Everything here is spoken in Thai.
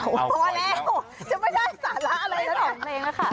พอแล้วจะไม่ใช่ศาละเลยนะ